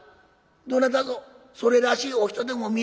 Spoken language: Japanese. どなたぞそれらしいお人でも見えんのんか？」。